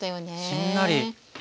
しんなり。